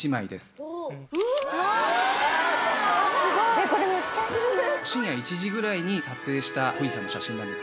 えっこれめっちゃいいな。